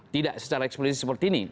tidak secara eksplisit seperti ini